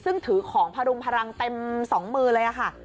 ซึ่งถือของพรุงพลังเต็มสองมือเลยค่ะ